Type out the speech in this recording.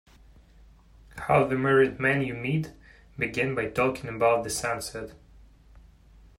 Half the married men you meet began by talking about the sunset.